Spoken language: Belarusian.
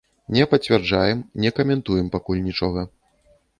Не пацвярджаем, не каментуем пакуль нічога.